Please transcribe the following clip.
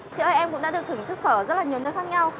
chị ơi em cũng đã thưởng thức phở ở rất là nhiều nơi khác nhau